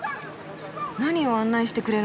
何を案内してくれるのかな？